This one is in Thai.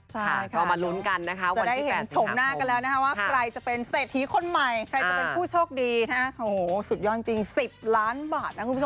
ใช่ก็มาลุ้นกันนะคะว่าจะได้เห็นชมหน้ากันแล้วนะคะว่าใครจะเป็นเศรษฐีคนใหม่ใครจะเป็นผู้โชคดีนะฮะโอ้โหสุดยอดจริง๑๐ล้านบาทนะคุณผู้ชม